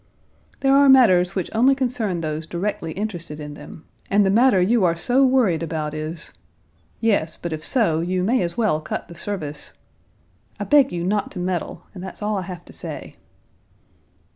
"There are matters which only concern those directly interested in them, and the matter you are so worried about is...." "Yes, but if so, you may as well cut the service...." "I beg you not to meddle, and that's all I have to say."